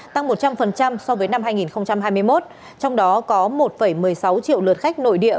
tăng một trăm linh so với năm hai nghìn hai mươi một trong đó có một một mươi sáu triệu lượt khách nội địa